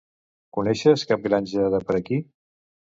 Coneixes cap granja de per aquí?